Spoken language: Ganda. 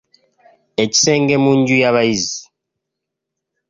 Ekisenge mu nju y'abayizi.